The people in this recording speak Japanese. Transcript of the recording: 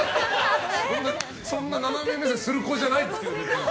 そんな斜め目線する子じゃないですけど。